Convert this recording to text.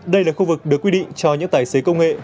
đây là khu vực được quy định cho những tài xế công nghệ